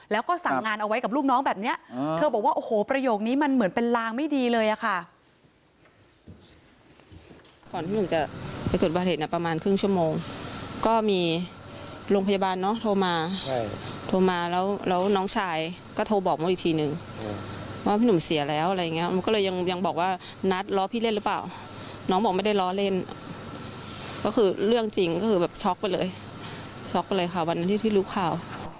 แล้วก็สั่งงานเอาไว้กับลูกน้องแบบนี้เธอบอกว่าโอ้โหประโยคนี้มันเหมือนเป็นลางไม่ดีเลยอะค่ะ